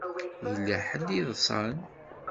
Yella ḥedd i yeḍsan.